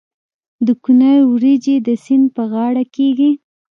د کونړ وریجې د سیند په غاړه کیږي.